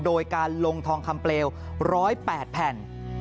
โดยการลงทองคำเปลว๑๐๘แผ่น